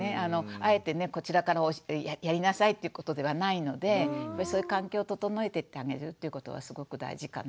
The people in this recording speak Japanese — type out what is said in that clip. あえてねこちらからやりなさいっていうことではないのでそういう環境を整えていってあげることはすごく大事かなっていうふうに思います。